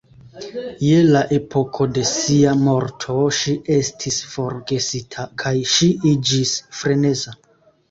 Je la epoko de sia morto ŝi estis forgesita kaj ŝi iĝis freneza.